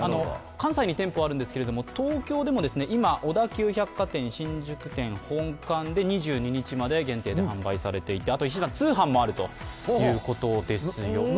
関西に店舗があるんですけど、東京でも今、小田急百貨店新宿店本館で２２日まで限定で販売されていて、通販もあるということですよ。